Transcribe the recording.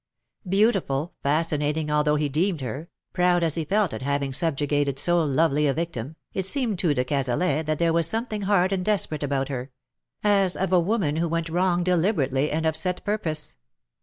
Beautiful, fascinating although he deemed her — proud as he felt at having subjugated so lovely a victim, it seemed to de Cazalet that there was something hard and desperate about her — as of a woman who went wrong deliberately and of set purpose.